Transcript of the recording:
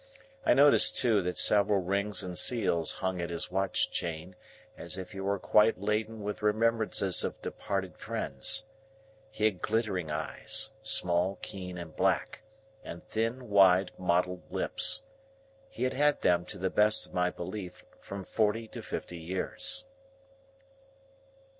I noticed, too, that several rings and seals hung at his watch chain, as if he were quite laden with remembrances of departed friends. He had glittering eyes,—small, keen, and black,—and thin wide mottled lips. He had had them, to the best of my belief, from forty to fifty years.